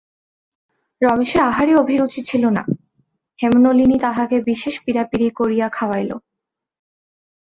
রমেশের আহারে অভিরুচি ছিল না, হেমনলিনী তাহাকে বিশেষ পীড়াপীড়ি করিয়া খাওয়াইল।